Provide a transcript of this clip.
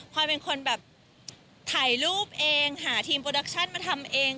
พอยเป็นคนแบบถ่ายรูปเองหาทีมโปรดักชั่นมาทำเอง